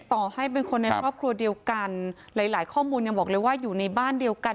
ต่อให้เป็นคนในครอบครัวเดียวกันหลายหลายข้อมูลยังบอกเลยว่าอยู่ในบ้านเดียวกัน